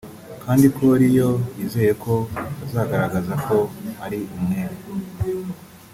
kandi ko Real yizeye ko azagaragaza ko ari umwere